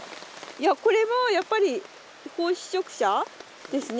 いやこれもやっぱり胞子食者ですね。